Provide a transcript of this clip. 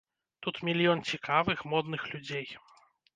Тут мільён цікавых, модных людзей.